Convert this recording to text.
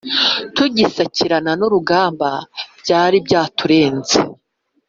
Tugisakirana n'urugamba byari byaturenze